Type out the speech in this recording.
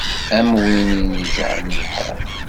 Am win ineǧǧɛen lḥiḍ.